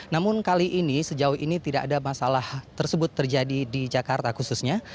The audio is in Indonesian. namun kali ini sejauh ini tidak ada masalah tersebut terjadi di jakarta khususnya